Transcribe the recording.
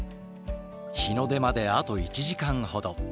日の出まであと１時間ほど。